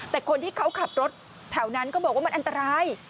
แต่คนที่เขาขับรถแถวนั้นก็บอกว่ามันอันตราย